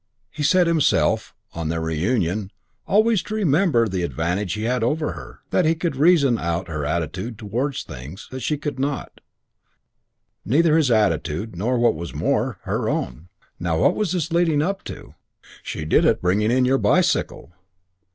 He set himself, on their reunion, always to remember the advantage he had over her: that he could reason out her attitude towards things; that she could not, neither his attitude nor, what was more, her own. Now. What was this leading up to? "She did it bringing in your bicycle."